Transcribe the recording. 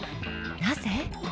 なぜ？